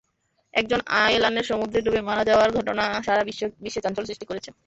একজন আয়লানের সমুদ্রে ডুবে মারা যাওয়ার ঘটনা সারা বিশ্বে চাঞ্চল্য সৃষ্টি করেছে।